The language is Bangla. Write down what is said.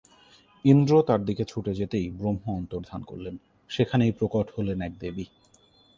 ইন্দ্র তাঁর দিকে ছুটে যেতেই ব্রহ্ম অন্তর্ধান করলেন; সেখানেই প্রকট হলেন এক দেবী।